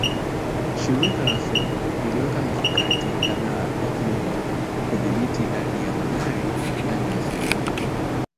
Shirika la feri liliweka mikakati kadhaa ikiwemo kudhibiti idadi ya magari ndani ya feri